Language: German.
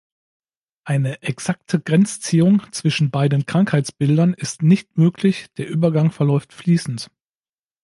Eine exakte Grenzziehung zwischen beiden Krankheitsbildern ist nicht möglich, der Übergang verläuft fließend.